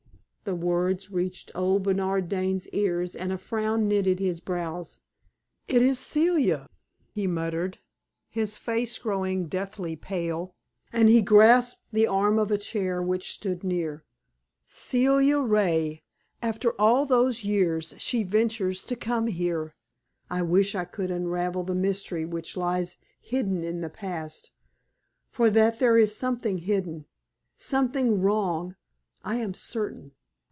The words reached old Bernard Dane's ears, and a frown knit his brows. "It is Celia!" he muttered, his face growing deathly pale; and he grasped the arm of a chair which stood near. "Celia Ray! After all those years she ventures to come here! I wish I could unravel the mystery which lies hidden in the past, for that there is something hidden something wrong I am certain."